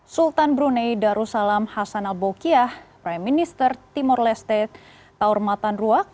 sultan brunei darussalam hasan al bokiah prime minister timor leste taur matan ruak